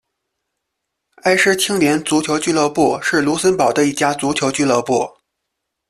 埃施青年足球俱乐部是卢森堡的一家足球俱乐部。